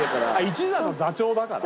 一座の座長だから。